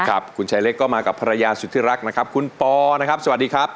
ครับคุณชายเล็กก็มากับภรรยาสุธิรักนะครับคุณปอนะครับสวัสดีครับ